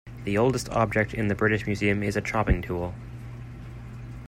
The oldest object in the British Museum is a Chopping Tool.